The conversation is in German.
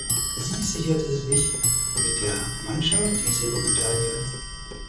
Sie sicherte sich mit der Mannschaft die Silbermedaille.